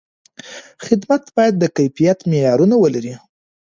خدمت باید د کیفیت معیارونه ولري.